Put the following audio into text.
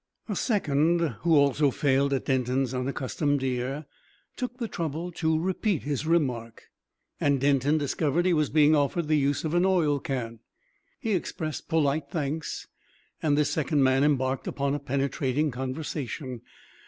A second, who also failed at Denton's unaccustomed ear, took the trouble to repeat his remark, and Denton discovered he was being offered the use of an oil can. He expressed polite thanks, and this second man embarked upon a penetrating conversation.